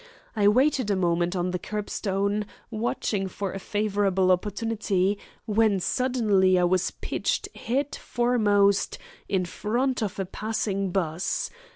I waited a moment on the kerbstone, watching for a favourable opportunity, when suddenly I was pitched head foremost in front of a passing 'bus.